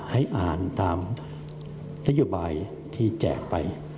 ให้อ่านตามนโยบายที่แจกไป